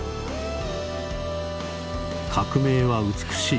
「“革命”は美しい。